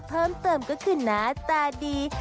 เพิ่มเติมก็คือหน้าตาดี